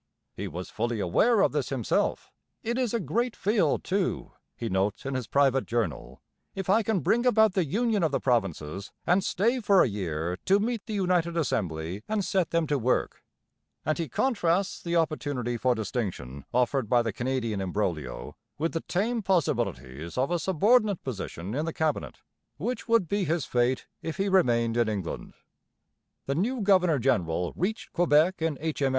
He was fully aware of this himself. 'It is a great field too,' he notes in his private Journal, 'if I can bring about the union of the provinces and stay for a year to meet the united assembly and set them to work'; and he contrasts the opportunity for distinction offered by the Canadian imbroglio with the tame possibilities of a subordinate position in the Cabinet, which would be his fate if he remained in England. The new governor general reached Quebec in H.M.